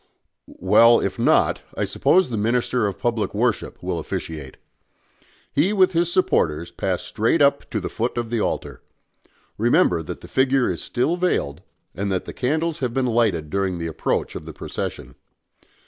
"Well, if not, I suppose the Minister of Public Worship will officiate. He with his supporters pass straight up to the foot of the altar. Remember that the figure is still veiled, and that the candles have been lighted during the approach of the procession.